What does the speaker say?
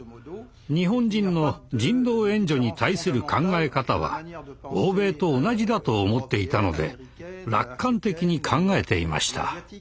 日本人の人道援助に対する考え方は欧米と同じだと思っていたので楽観的に考えていました。